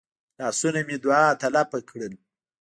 لاسونه مې دعا ته لپه کړل.